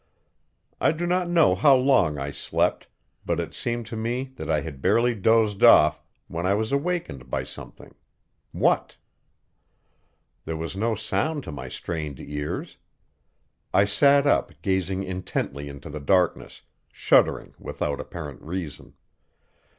I do not know how long I slept, but it seemed to me that I had barely dozed off when I was awakened by something what? There was no sound to my strained ears. I sat up, gazing intently into the darkness, shuddering without apparent reason.